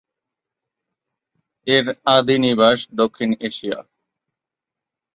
এর আদি নিবাস দক্ষিণ এশিয়া।